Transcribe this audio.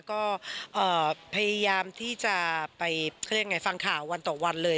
ก็พยายามที่จะไปการฟังข่าววันต่อวันเลย